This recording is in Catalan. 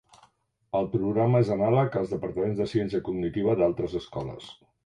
El programa és anàleg als departaments de ciència cognitiva d'altres escoles.